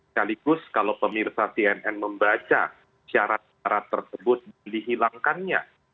kaligus kalau pemirsa tnn membaca syarat syarat tersebut dihilangkannya